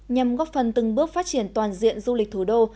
nhằm góp phần từng bước phát triển toàn diện du lịch thủ đô